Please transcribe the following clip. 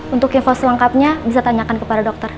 untuk info selengkapnya bisa tanyakan kepada dokter